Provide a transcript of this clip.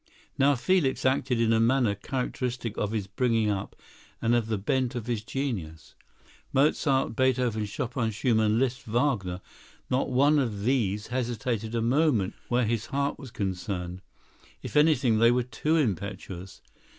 Now Felix acted in a manner characteristic of his bringing up and of the bent of his genius. Mozart, Beethoven, Chopin, Schumann, Liszt, Wagner—not one of these hesitated a moment where his heart was concerned. If anything, they were too impetuous.